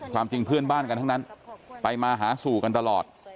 ความจริงเพื่อนบ้านกันทั้งนั้นไปมาหาสู่กันตลอด